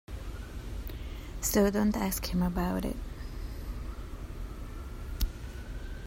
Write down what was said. So don't ask him about it.